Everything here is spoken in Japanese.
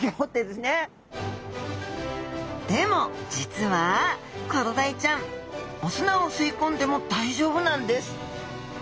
でも実はコロダイちゃんお砂を吸い込んでも大丈夫なんです。